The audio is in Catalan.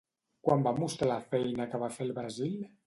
Quan va mostrar la feina que va fer al Brasil?